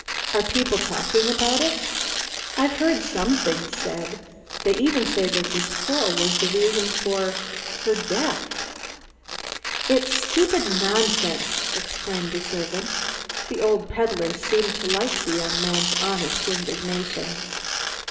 "Are people talking about it?" "I've heard some things said. They even say that this quarrel was the reason for her death." "It's stupid nonsense!" exclaimed the servant. The old peddler seemed to like the young man's honest indignation.